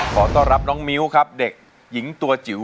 ขอต้อนรับน้องมิ้วครับเด็กหญิงตัวจิ๋ว